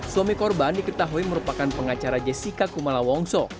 suami korban diketahui merupakan pengacara jessica kumala wongso